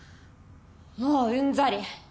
もううんざり。